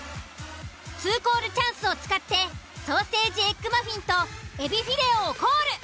２コールチャンスを使ってソーセージエッグマフィンとえびフィレオをコール。